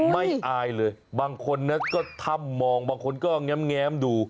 ไม่อายเลยบางคนน่ะก็ทำมองบางคนก็แงมดู